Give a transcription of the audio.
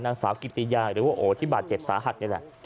นางสาวกิติยาหรือว่าโอที่บาดเจ็บสาหัสนี่แหละ